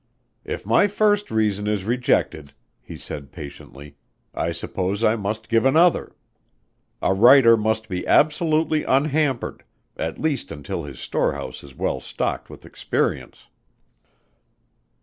"If my first reason is rejected," he said patiently, "I suppose I must give another. A writer must be absolutely unhampered at least until his storehouse is well stocked with experience."